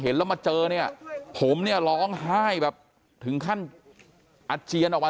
แล้วมาเจอเนี่ยผมเนี่ยร้องไห้แบบถึงขั้นอาเจียนออกมา